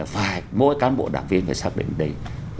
phải mỗi cán bộ đảng viên phải xác định đấy